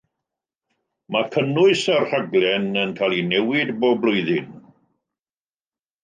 Mae cynnwys y rhaglen yn cael ei newid bob blwyddyn.